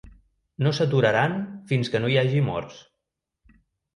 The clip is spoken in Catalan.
No s'aturaran fins que no hi hagi morts.